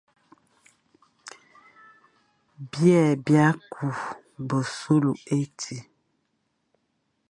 Byè bia kü besule éti,